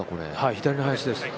左の林です